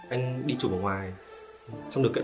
anh đi chụp ở ngoài trong điều kiện